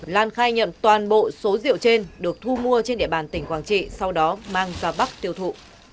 lan khai nhận toàn bộ số rượu trên được thu mua trên địa bàn tỉnh quảng trị sau đó mang ra bắc tiêu thụ